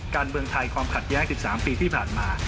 การเมืองไทยความขัดแย้ง๑๓ปีที่ผ่านมา